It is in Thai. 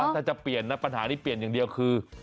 ถ้าจะเปลี่ยนนะปัญหานี้เปลี่ยนอย่างเดียวคือ